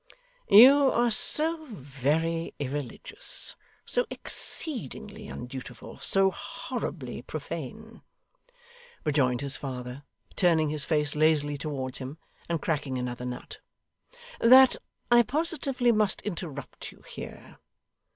'You are so very irreligious, so exceedingly undutiful, so horribly profane,' rejoined his father, turning his face lazily towards him, and cracking another nut, 'that I positively must interrupt you here.